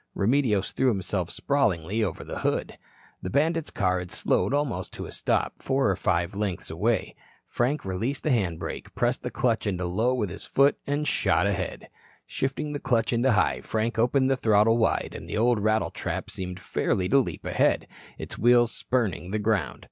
Remedios threw himself sprawlingly over the hood. The bandits' car had slowed almost to a stop, four or five lengths away. Frank released the hand brake, pressed the clutch into low with his foot, and shot ahead. Shifting the clutch into high, Frank opened the throttle wide and the old rattletrap seemed fairly to leap ahead, its wheels spurning the ground.